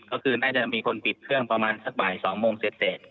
ก็คือน่าจะมีคนปิดเครื่องประมาณสักบ่าย๒โมงเสร็จ